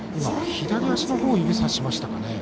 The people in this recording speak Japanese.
左足のほうを指さしましたかね。